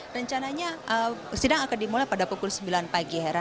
rencananya sidang akan dimulai pada pukul sembilan pagi hera